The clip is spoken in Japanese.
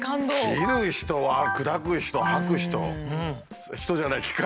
切る人砕く人掃く人「人」じゃない「機械」。